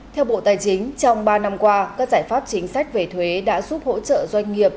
theo bộ tài chính trong ba năm qua các giải pháp chính sách về thuế đã giúp hỗ trợ doanh nghiệp